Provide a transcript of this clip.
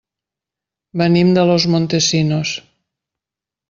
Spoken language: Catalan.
Venim de Los Montesinos.